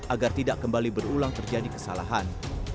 agar tidak kembali berulang terjadi kesalahan